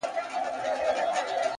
اوس د چا پر پلونو پل نږدم بېرېږم!!